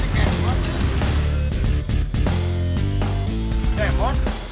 hai berubang gitu